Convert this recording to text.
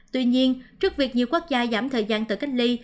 tuy nhiên trước việc nhiều quốc gia giảm thời gian tự cách ly